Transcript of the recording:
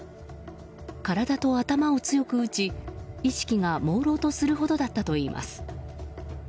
体と頭を強く打ち意識がもうろうとするほどだったといいます。